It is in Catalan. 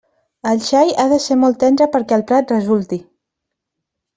El xai ha de ser molt tendre perquè el plat resulti.